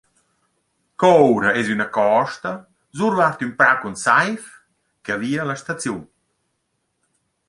Coura esa üna costa, survart ün prà cun saiv, cavia la staziun.